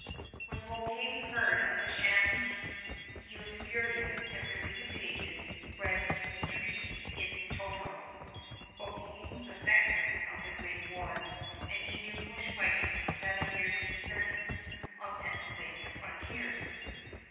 [Illustration: BOUQUET] When Bouquet heard of the sham peace he was furious and repudiated Bradstreet's treaty in toto. Bouquet was a veteran of the great war, and knew bushfighting from seven years' experience on Pennsylvania frontiers.